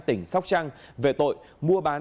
tỉnh sóc trăng về tội mua bán